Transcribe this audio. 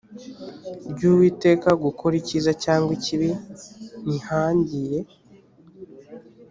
ry uwiteka gukora icyiza cyangwa ikibi nihangiye